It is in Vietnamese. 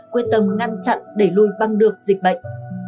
quyết tâm ngăn chặn đẩy lùi băng được dịch bệnh